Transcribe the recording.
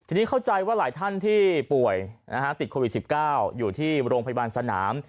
ทีนี้เข้าใจว่าหลายท่านที่ป่วยติดโควิด๑๙อยู่ที่โรงพยาบาลสนาม